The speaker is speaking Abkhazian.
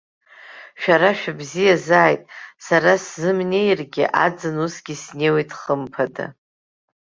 Шәара шәыбзиазааит, сара сзымнеиргьы, аӡын усгьы снеиуеит хымԥада.